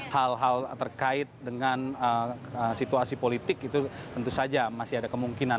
hal hal terkait dengan situasi politik itu tentu saja masih ada kemungkinan